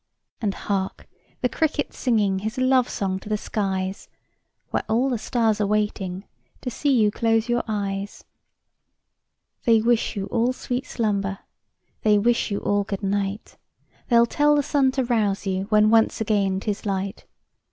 And, hark ! the cricket singing His love song to the skies, Where all the stars are waiting To see you close your eyes. L 146 ANYHOW STORIES. [STORY xm. They wish you all sweet slumber, They wish you all good night ; They'll tell the sun to rouse you When once again 'tis light.